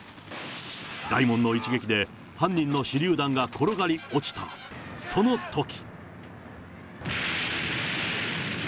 大門の一撃で犯人の手りゅう弾が転がり落ちたそのとき。